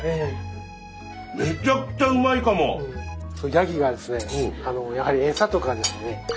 やぎがですねやはり餌とかにですね